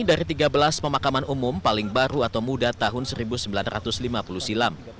dari tiga belas pemakaman umum paling baru atau muda tahun seribu sembilan ratus lima puluh silam